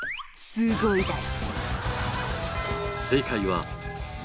すごいだろ。